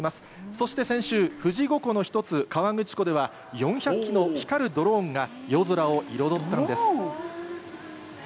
そして先週、富士五湖の一つ、河口湖では４００機の光るドローンが夜空を彩ったんです。